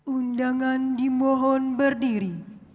undangan dimohon berdiri